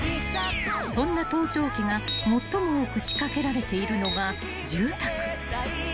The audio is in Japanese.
［そんな盗聴器が最も多く仕掛けられているのが住宅］